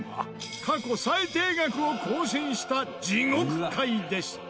過去最低額を更新した地獄回でした。